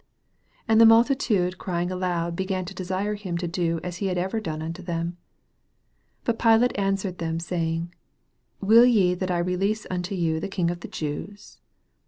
8 And the multitude crying aloud began to desire him to do as ne had ever done unto them. 9 But Pilate answered them, say ing, Will ye that I release unto yon the King of the Jews